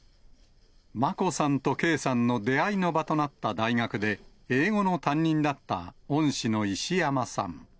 眞子さんと圭さんの出会いの場となった大学で、英語の担任だった恩師の石山さん。